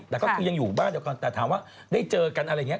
แต่ก็คือยังอยู่บ้านเดียวกันแต่ถามว่าได้เจอกันอะไรอย่างนี้